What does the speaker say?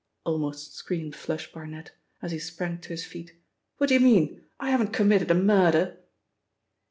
almost screamed 'Flush' Barnet, as he sprang to his feet. "What do you mean? I haven't committed a murder!"